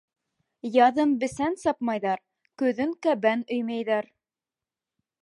Яҙын бесән сапмайҙар, көҙөн кәбән өймәйҙәр.